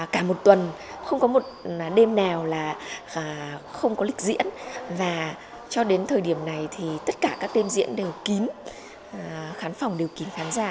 cả một tuần không có một đêm nào là không có lịch diễn và cho đến thời điểm này thì tất cả các đêm diễn đều kín khán phòng đều kín khán giả